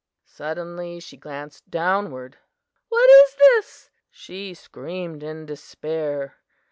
"Suddenly she glanced downward. 'What is this?' she screamed in despair.